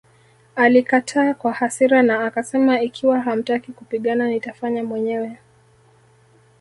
Alikataa kwa hasira na akasema Ikiwa hamtaki kupigana nitafanya mwenyewe